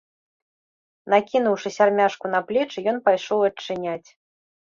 Накінуўшы сярмяжку на плечы, ён пайшоў адчыняць.